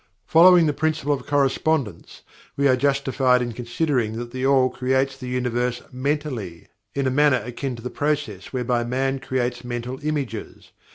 Following the Principle of Correspondence, we are justified in considering that THE ALL creates the Universe MENTALLY, in a manner akin to the process whereby Man creates Mental Images.